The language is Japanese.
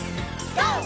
ＧＯ！